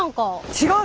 違う！